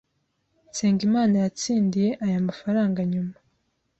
Nsengimana yatsindiye aya mafaranga nyuma